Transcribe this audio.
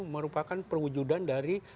merupakan perwujudan dari